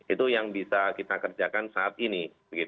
itu yang bisa kita kerjakan saat ini